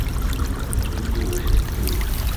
溫度為零度